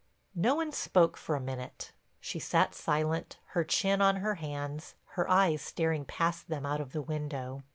No one spoke for a minute. She sat silent, her chin on her hands, her eyes staring past them out of the window.